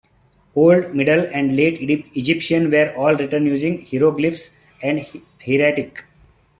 Old, Middle, and Late Egyptian were all written using hieroglyphs and hieratic.